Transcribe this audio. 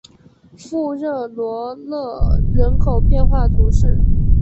富热罗勒人口变化图示